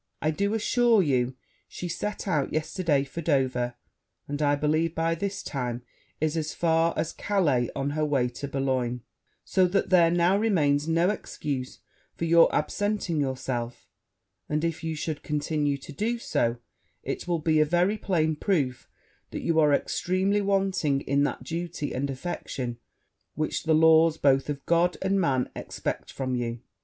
I do assure you she set out yesterday for Dover, and I believe by this time is as far as Calais on her way to Bologne; so that there now remains no excuse for your absenting yourself: and if you should continue to do so, it will be a very plain proof that you are extremely wanting in that duty and affection which the laws both of God and man expect from you.